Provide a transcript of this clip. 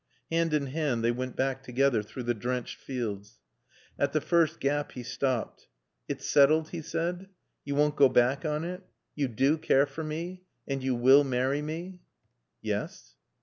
Hand in hand they went back together through the drenched fields. At the first gap he stopped. "It's settled?" he said. "You won't go back on it? You do care for me? And you will marry me?" "Yes."